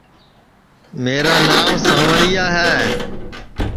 میرا نانٚو سانٚوݪِیا ہے